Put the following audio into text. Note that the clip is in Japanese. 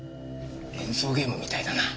連想ゲームみたいだな。